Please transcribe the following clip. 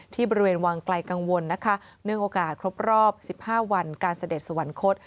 ที่บริเวณวังไกลกังวลนะคะเนื่องโอกาสครบรอบ๑๕วันการเสด็จสวรรคต